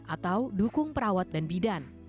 atau dukung perawat dan bidan